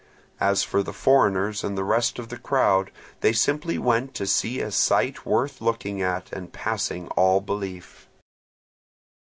As for the foreigners and the rest of the crowd, they simply went to see a sight worth looking at and passing all belief.